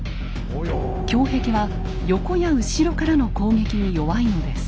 胸壁は横や後ろからの攻撃に弱いのです。